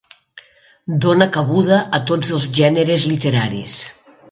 Dona cabuda a tots els gèneres literaris.